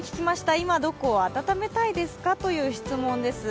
今どこを温めたいですかという質問です。